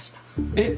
えっ？